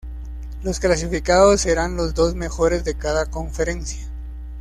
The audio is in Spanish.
Los clasificados serán los dos mejores de cada conferencia.